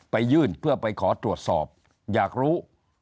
ไปยื่นเพื่อไปขอตรวจสอบอยากรู้